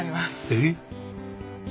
えっ？